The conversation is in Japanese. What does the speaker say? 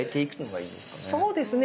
そうですね。